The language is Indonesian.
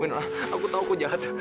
aku tahu aku jahat